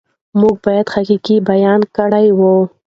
خو موږ باید حقایق بیان کړو.